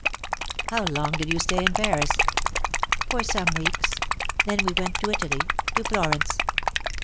"How long did you stay in Paris?" "For some weeks. Then we went to Italy, to Florence."